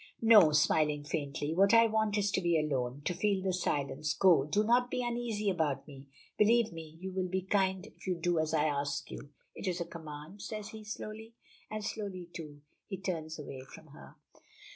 "No," smiling faintly. "What I want is to be alone. To feel the silence. Go. Do not be uneasy about me. Believe me you will be kind if you do as I ask you." "It is a command," says he slowly. And slowly, too, he turns away from her.